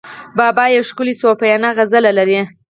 بابا یو ښکلی صوفیانه غزل لري.